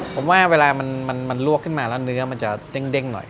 ผมว่าเวลามันลวกขึ้นมาแล้วเนื้อมันจะเด้งหน่อย